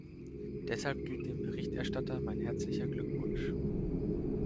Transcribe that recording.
Deshalb gilt dem Berichterstatter mein herzlicher Glückwunsch.